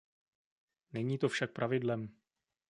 Není to však pravidlem.